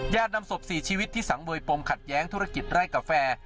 นำศพ๔ชีวิตที่สังเวยปมขัดแย้งธุรกิจไร่กาแฟ